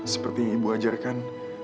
seperti yang ibu ajarkan